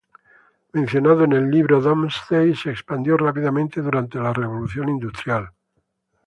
Mencionado en el libro Domesday, se expandió rápidamente durante la Revolución Industrial.